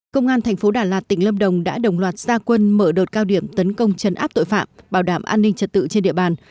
công an thành phố đà lạt tỉnh lâm đồng đã đồng loạt gia quân mở đột cao điểm tấn công chấn áp tội phạm bảo đảm an ninh trật tự trên địa bàn